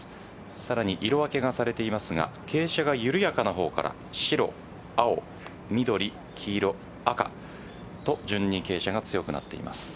さらに色分けがされていますが傾斜が緩やかな方から白、青、緑、黄色赤と順に傾斜が強くなっています。